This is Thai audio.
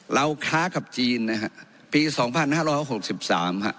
เราค้ากับจีนปี๒๕๖๓ครับ